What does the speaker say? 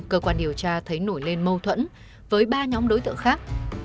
cơ quan điều tra thấy nổi lên mâu thuẫn với ba nhóm đối tượng khác